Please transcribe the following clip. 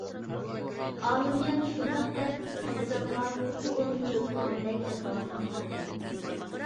ئالىمجان شۇنداق دەپ قەدىردانغا خۇددى ئۇنى يەۋېتىدىغاندەك ئەلپازدا قارىدى.